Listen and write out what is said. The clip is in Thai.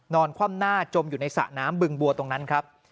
คว่ำหน้าจมอยู่ในสระน้ำบึงบัวตรงนั้นครับ